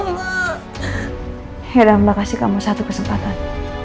ya udah mbak kasih kamu satu kesempatan